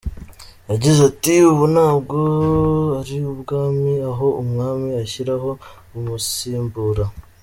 Yagize ati “Ubu ntabwo ari ubwami aho umwami ashyiraho umusimbura.